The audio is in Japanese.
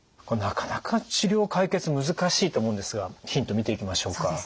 これなかなか治療解決難しいと思うんですがヒント見ていきましょうか。